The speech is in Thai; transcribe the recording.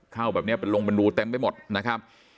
เข้าแบบนี้ลงบรรดูเต็มไปหมดนะครับ